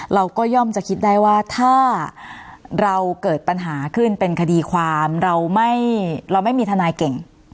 ย่อมจะคิดได้ว่าถ้าเราเกิดปัญหาขึ้นเป็นคดีความเราไม่มีทนายเก่ง